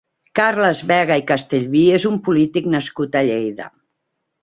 Carles Vega i Castellví és un polític nascut a Lleida.